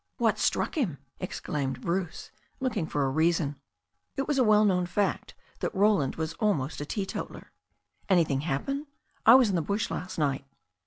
"What struck him?" exclaimed Bruce, looking for a rea son. It was a well known fact that Roland was almost a teetotaller. "Anything happened? I was in the bush last night."